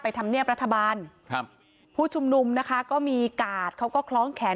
ธรรมเนียบรัฐบาลครับผู้ชุมนุมนะคะก็มีกาดเขาก็คล้องแขน